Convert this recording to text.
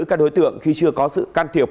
các đối tượng khi chưa có sự can thiệp